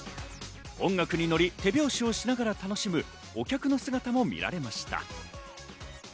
音楽に乗り手拍子をしながら楽しむお客の姿も見られました。